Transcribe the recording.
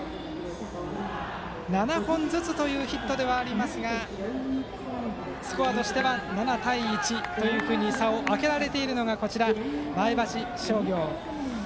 ７本ずつというヒットではありますがスコアとしては７対１と差を開けられているのが前橋商業です。